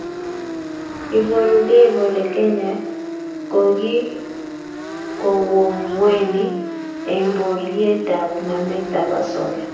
Iborukei kole Kenya kokikowo ngweny eng borietap nametab osoya